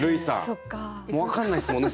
もうわかんないっすもんねそれ。